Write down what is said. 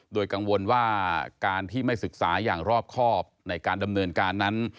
โดยกังวลว่าการที่ไม่ศึกษาอย่างรอบครอบในการดำเนินการนั้น